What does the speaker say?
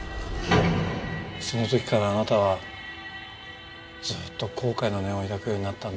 その時からあなたはずっと後悔の念を抱くようになったんだ。